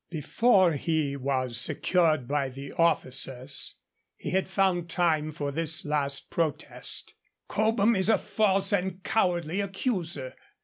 Before he was secured by the officers, he had found time for this last protest: 'Cobham is a false and cowardly accuser.